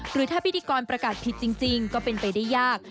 หรือถ้าพิธีกรประกาศผิดจริงก็เป็นไปได้ยาก